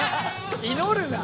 祈るな！